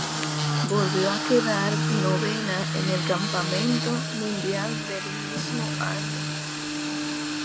Volvió a quedar novena en el Campeonato Mundial del mismo año.